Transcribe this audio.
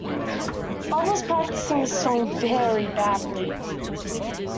Bob was practising his song, very badly.